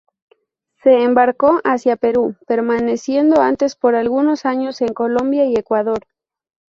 Se embarcó hacia Perú permaneciendo antes por algunos años en Colombia y Ecuador.